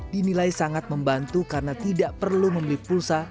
dinilai sangat membantu karena tidak perlu membeli pulsa